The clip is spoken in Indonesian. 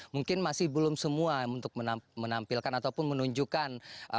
mungkin masih belum semua untuk menampilkan ataupun menunjukkan